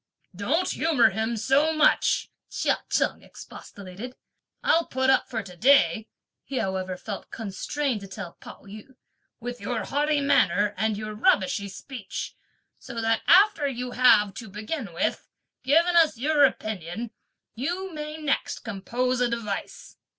"Don't humour him so much!" Chia Cheng expostulated. "I'll put up for to day," he however felt constrained to tell Pao yü, "with your haughty manner, and your rubbishy speech, so that after you have, to begin with, given us your opinion, you may next compose a device.